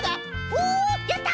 おおやった！